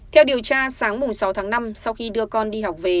theo điều tra sáng sáu tháng năm sau khi đưa con đi học về